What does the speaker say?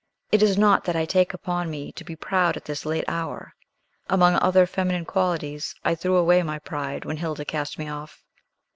It is not that I take upon me to be proud at this late hour. Among other feminine qualities, I threw away my pride when Hilda cast me off."